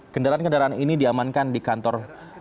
kendaraan kendaraan ini diamankan di kantor